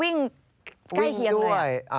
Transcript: วิ่งใกล้เคียงเลย